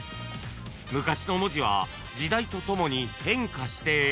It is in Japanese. ［昔の文字は時代とともに変化して］